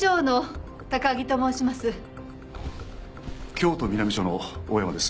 京都南署の大山です。